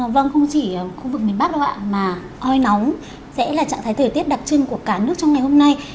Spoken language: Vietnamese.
vâng không chỉ khu vực miền bắc đâu ạ mà oi nóng sẽ là trạng thái thời tiết đặc trưng của cả nước trong ngày hôm nay